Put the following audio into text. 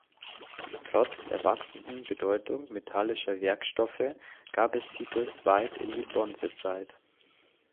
Trotz der wachsenden Bedeutung metallischer Werkstoffe gab es sie bis weit in die Bronzezeit.